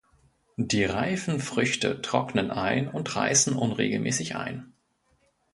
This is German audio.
Die reifen Früchte trocknen ein und reißen unregelmäßig ein.